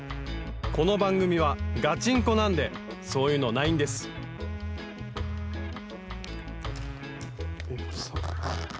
この番組はガチンコなんでそういうのないんですお！